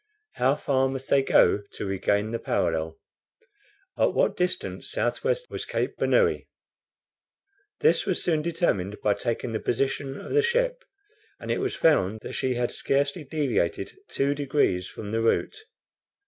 How far must they go to regain the parallel. At what distance S. W. was Cape Bernouilli? This was soon determined by taking the position of the ship, and it was found that she had scarcely deviated two degrees from the route.